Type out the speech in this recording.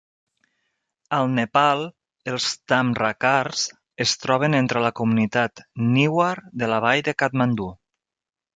Al Nepal, els tamrakars es troben entre la comunitat newar de la vall de Katmandú.